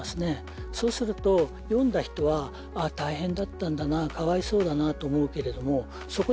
そうすると読んだ人は「大変だったんだな」「かわいそうだな」と思うけれどもそこで止まっちゃうんですよ。